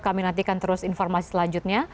kami nantikan terus informasi selanjutnya